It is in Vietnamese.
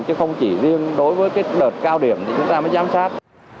chứ không chỉ riêng đối với cái đợt cao điểm thì chúng ta mới giám sát